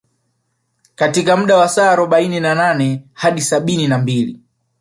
Katika muda wa saa arobaini na nane hadi sabini na mbili